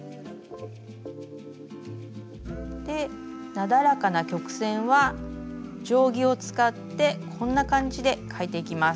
なだらかな曲線は定規を使ってこんな感じで描いていきます。